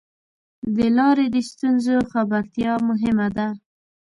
د لارې د ستونزو خبرتیا مهمه ده.